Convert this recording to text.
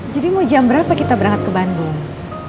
jadi mau jam berapa kita berangkat ke bandung